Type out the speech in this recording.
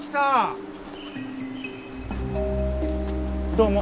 どうも。